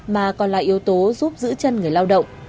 mà còn là yếu tố giúp giữ chân người lao động